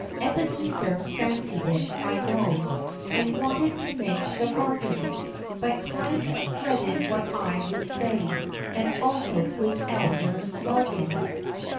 Ebenezer fancied it, I know, And wanted to make the bargain, But kind of dreaded what I would say, And also good elder Largain.